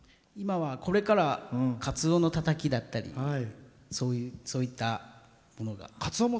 これからカツオのたたきだったりそういったものが。